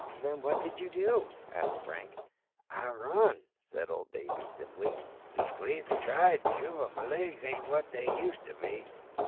"Then what did you do?" asked Frank. "I run," said Old Davey, simply. "Leastways I tried to, but my legs ain't what they used to be."